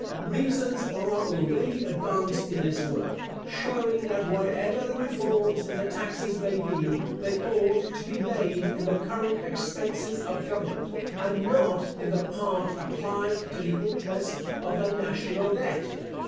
Reasons are already advanced in this work, showing that whatever the reforms in the taxes may be, they ought to be made in the current expenses of government, and not in the part applied to the interest of the national debt.